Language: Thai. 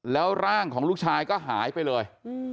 แล้วร่างของลูกชายก็หายไปเลย